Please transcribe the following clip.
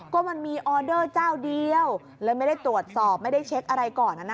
ก็มันมีออเดอร์เจ้าเดียวเลยไม่ได้ตรวจสอบไม่ได้เช็คอะไรก่อน